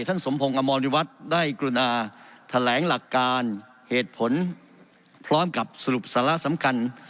สมพงศ์อมรวิวัตรได้กรุณาแถลงหลักการเหตุผลพร้อมกับสรุปสาระสำคัญ